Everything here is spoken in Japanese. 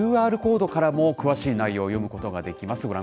ＱＲコードからも詳しい内容を読むことができます。